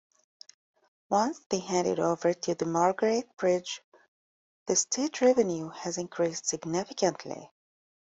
Once they handed over to the Margaret Bridge, the state revenue has increased significantly.